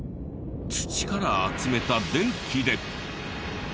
土から集めた電気で。